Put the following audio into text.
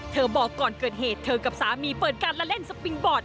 บอกก่อนเกิดเหตุเธอกับสามีเปิดการละเล่นสปิงบอร์ด